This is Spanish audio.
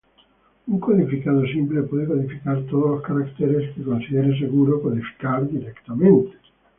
Un codificado simple puede codificar todos los caracteres que considere seguro codificar directamente.